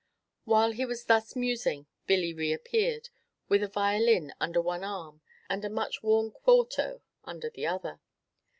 While he was thus musing, Billy reappeared, with a violin under one arm and a much worn quarto under the other.